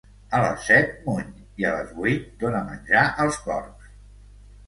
A les set muny i a les vuit dona menjar als porcs.